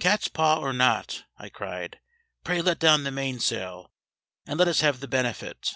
"Cat's paw or not," I cried, "pray let down the mainsail, and let us have the benefit!"